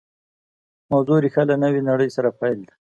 موضوع ریښه له نوې نړۍ سره پیل ده